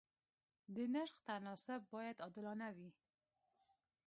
د نرخ تناسب باید عادلانه وي.